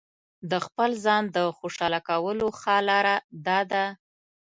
د خپل ځان د خوشاله کولو ښه لاره داده.